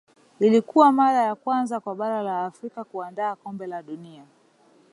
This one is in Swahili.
ilikuwa mara ya kwanza kwa bara la afrika kuandaa kombe la dunia